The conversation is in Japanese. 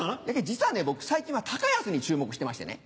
実はね僕最近は高安に注目してましてね。